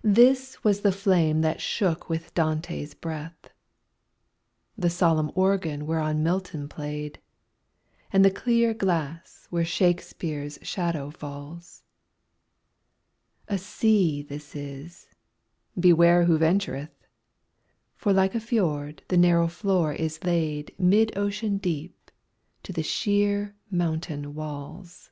This was the flame that shook with Dante's breath ; The solenm organ whereon Milton played, And the clear glass where Shakespeare's shadow falls : A sea this is — beware who ventureth I For like a fjord the narrow floor b laid Mid ocean deep to the sheer mountain walls.